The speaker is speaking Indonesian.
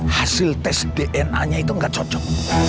hasil tes dna nya itu nggak cocok